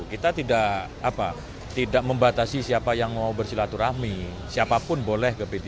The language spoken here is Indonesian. kita tidak membatasi siapa yang mau bersilaturahmi siapapun boleh ke p tiga